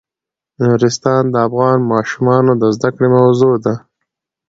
نورستان د افغان ماشومانو د زده کړې موضوع ده.